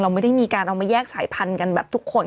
ไม่ได้มีการเอามาแยกสายพันธุ์กันแบบทุกคน